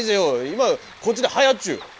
今こっちで流行っちう。